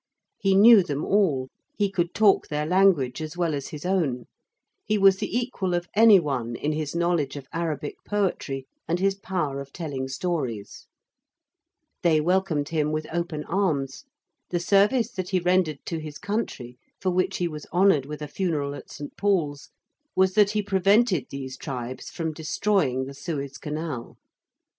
He knew them all: he could talk their language as well as his own: he was the equal of any one in his knowledge of Arabic poetry and his power of telling stories: they welcomed him with open arms: the service that he rendered to his country for which he was honoured with a funeral at St. Paul's, was that he prevented these tribes from destroying the Suez Canal.